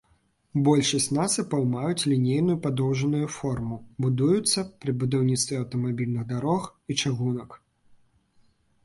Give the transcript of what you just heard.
Большасць насыпаў маюць лінейную падоўжаную форму, будуюцца пры будаўніцтве аўтамабільных дарог і чыгунак.